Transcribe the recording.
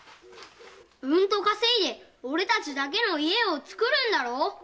うんと稼いで俺達だけの家をつくるんだろう？